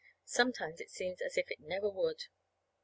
Sometimes it seems as if it never would!